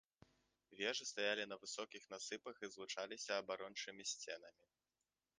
Вежы стаялі на высокіх насыпах і злучаліся абарончымі сценамі.